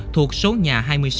thuộc số nhà hai mươi sáu